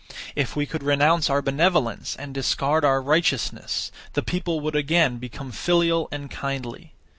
If we could renounce our benevolence and discard our righteousness, the people would again become filial and kindly.